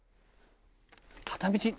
片道。